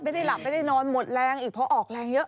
ไม่ได้หลับไม่ได้นอนหมดแรงอีกเพราะออกแรงเยอะ